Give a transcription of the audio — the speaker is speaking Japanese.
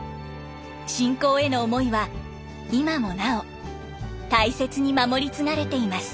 信仰への思いは今もなお大切に守り継がれています。